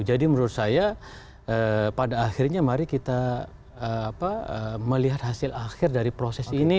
jadi menurut saya pada akhirnya mari kita melihat hasil akhir dari proses ini